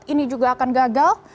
ini juga akan gagal